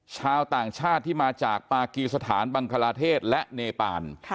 ชาวต่างชาติที่มาจากปากีสถานบังคลาเทศและเนปาน